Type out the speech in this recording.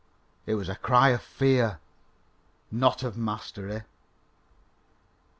It was a cry of fear; not of mastery.